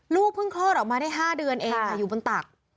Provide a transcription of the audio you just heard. เพิ่งคลอดออกมาได้๕เดือนเองอยู่บนตัก